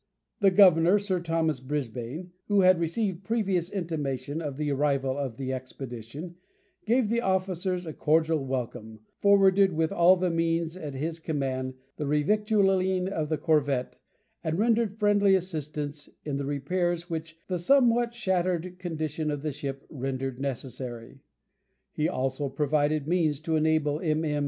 The governor, Sir Thomas Brisbane, who had received previous intimation of the arrival of the Expedition, gave the officers a cordial welcome, forwarded with all the means at his command the revictualling of the corvette, and rendered friendly assistance in the repairs which the somewhat shattered condition of the ship rendered necessary. He also provided means to enable MM.